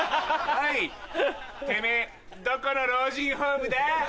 おいてめぇどこの老人ホームだ？